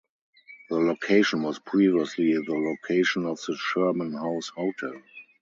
The location was previously the location of the Sherman House Hotel.